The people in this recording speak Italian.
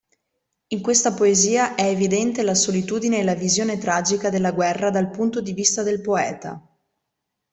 In questa poesia è evidente la solitudine e la visione tragica della guerra dal punto di vista del poeta.